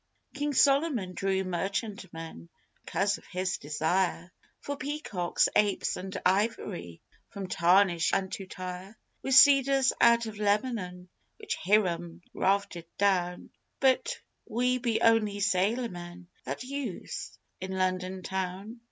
King Solomon drew merchantmen, Because of his desire For peacocks, apes, and ivory, From Tarshish unto Tyre: With cedars out of Lebanon Which Hiram rafted down, But we be only sailormen That use in London town.